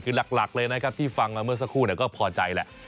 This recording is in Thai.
คือหลักเลยนะครับที่ฟังมาเมื่อสักครู่ก็พอใจแหละ